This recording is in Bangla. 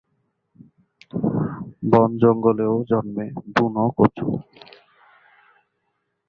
বন-জঙ্গলেও জন্মে বুনো কচু।